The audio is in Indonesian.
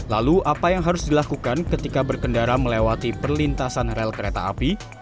lalu apa yang harus dilakukan ketika berkendara melewati perlintasan rel kereta api